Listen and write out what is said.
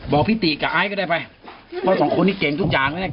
บอกพี่ตีกับไอ้ก็ได้ไปเพราะสองคนนี้เก่งทุกอย่าง